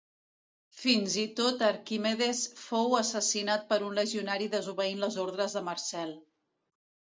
Fins i tot Arquimedes fou assassinat per un legionari desobeint les ordres de Marcel.